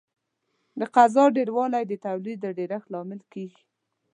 د تقاضا ډېروالی د تولید د ډېرښت لامل کیږي.